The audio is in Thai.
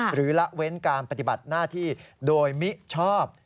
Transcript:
ละเว้นการปฏิบัติหน้าที่โดยมิชอบ